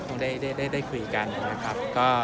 ซึ่งเดี๋ยวอีกสักพักหนึ่งก็คงได้คุยกันนะครับ